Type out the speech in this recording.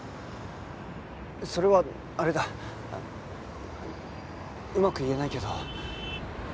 それはあれだうまく言えないけど。